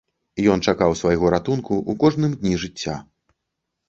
Ён чакаў свайго ратунку ў кожным дні жыцця.